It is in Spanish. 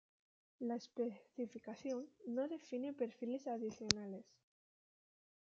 La especificación no define perfiles adicionales.